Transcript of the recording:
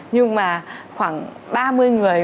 nhưng mà khoảng ba mươi người